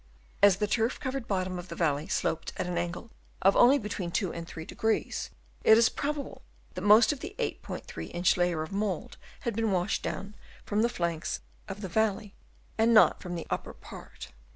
As the turf covered bottom of the valley sloped at an angle of only between 2° and 3°, it is probable that most of the 8'3 inch layer of mould had been washed down from the flanks of the valley, and not from the upper part.